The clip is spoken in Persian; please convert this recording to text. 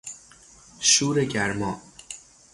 شور گرما